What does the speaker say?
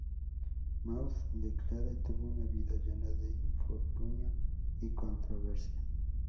Maud de Clare tuvo una vida llena de infortunio y controversia.